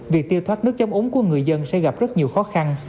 việc tiêu thoát nước chấm úng của người dân sẽ gặp rất nhiều khó khăn